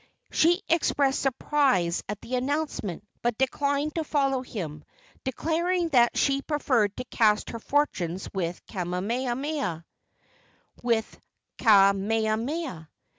She expressed surprise at the announcement, but declined to follow him, declaring that she preferred to cast her fortunes with Kamehameha.